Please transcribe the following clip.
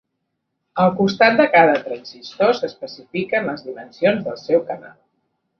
Al costat de cada transistor s'especifiquen les dimensions del seu canal.